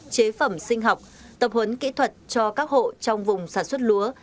chế phẩm sinh học tập huấn kỹ thuật cho các hộ trong vùng sản xuất lúa